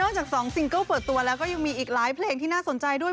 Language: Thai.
จาก๒ซิงเกิ้ลเปิดตัวแล้วก็ยังมีอีกหลายเพลงที่น่าสนใจด้วย